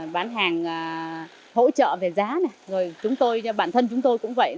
bán hàng hỗ trợ về giá rồi bản thân chúng tôi cũng vậy